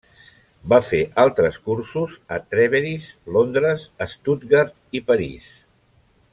Va fer altres cursos a Trèveris, Londres, Stuttgart i París.